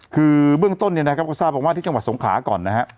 คือเบื้องต้นเนี่ยนะครับก็ทราบมาว่าที่จังหวัดสงขลาก่อนนะฮะ